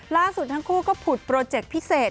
ล่าสุดทั้งคู่ก็ผุดโปรเจคพิเศษ